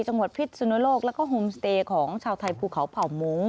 จังหวัดพิษสุนโลกและก็โฮมสเตยของชาวไทยภูเขาเผ่าโมง